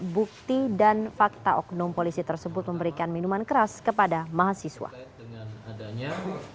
bukti dan fakta oknum polisi tersebut memberikan minuman keras kepada mahasiswa adanya